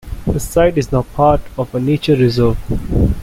The site is now part of a nature reserve.